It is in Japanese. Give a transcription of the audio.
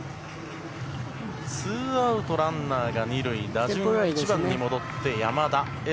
ツーアウトランナーが２塁打順は１番に戻って、山田。